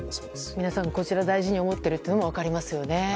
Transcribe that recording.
皆さん、こちらを大事に思っているのが分かりますね。